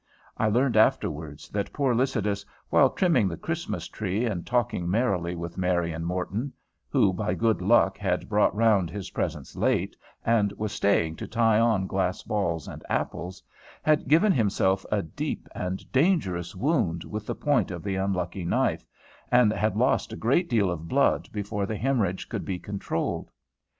I learned afterwards that poor Lycidas, while trimming the Christmas tree, and talking merrily with Mary and Morton, who, by good luck, had brought round his presents late, and was staying to tie on glass balls and apples, had given himself a deep and dangerous wound with the point of the unlucky knife, and had lost a great deal of blood before the hemorrhage could be controlled.